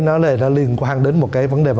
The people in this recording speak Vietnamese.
nó liên quan đến một cái vấn đề